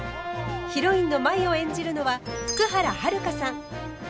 ヒロインの舞を演じるのは福原遥さん。